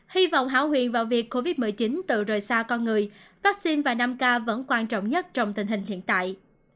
hy vọng hảo huyền vào việc covid một mươi chín từ rời xa con người vaccine và năm k vẫn quan trọng nhất trong tình hình hiện tại